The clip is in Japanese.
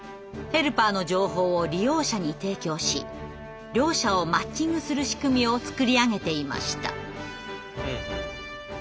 ヘルパーの情報を利用者に提供し両者をマッチングする仕組みを作り上げていました。